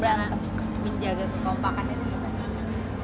berapa menjaga kesompakannya